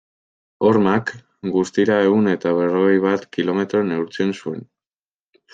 Hormak, guztira ehun eta berrogei bat kilometro neurtzen zuen.